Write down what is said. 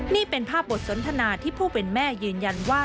นี่เป็นภาพบทสนทนาที่ผู้เป็นแม่ยืนยันว่า